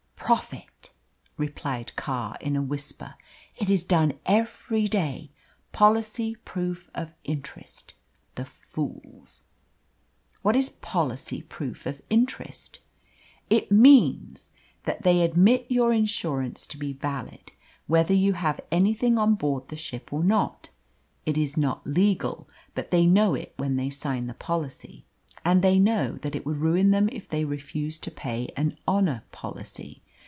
"Profit," replied Carr, in a whisper. "It is done every day policy proof of interest the fools!" "What is policy proof of interest?" "It means that they admit your insurance to be valid, whether you have anything on board the ship or not. It is not legal, but they know it when they sign the policy; and they know that it would ruin them if they refused to pay an 'honour policy.'